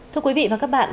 thưa quý vị và các bạn